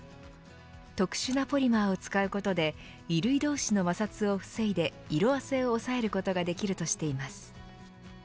特殊なポリマーを使うことで衣類同士の摩擦を防いで色あせを抑えることができるとしています。